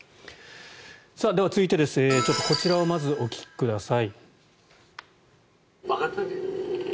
続いてこちらをまずお聞きください。